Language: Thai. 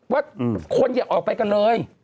ว่าคนอย่าออกไปกันเลย